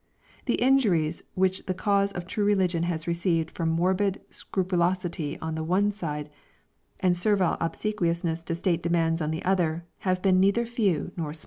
The in juries which the cause of true religion has received from morbid scrupulosity on one side, and servile obsequious ness to state demands on the other, have been neither few nor smaU.